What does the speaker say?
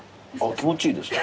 気持ちいいです。